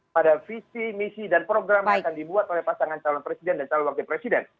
pada visi misi dan program yang akan dibuat oleh pasangan calon presiden dan calon wakil presiden